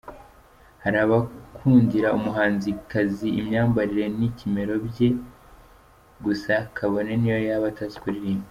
Hari abakundira umuhanzikazi imyambarire n’ikimero bye gusa kabone n’iyo yaba atazi kuririmba.